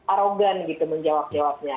arogan gitu menjawab jawabnya